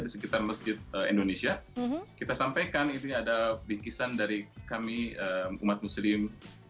di sekitar masjid indonesia kita sampaikan itu ada bingkisan dari kami umat muslim